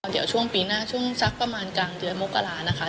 เดี๋ยวช่วงปีหน้าช่วงสักประมาณกลางเดือนมกรานะคะ